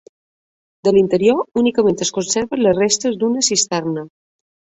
De l'interior únicament es conserven les restes d'una cisterna.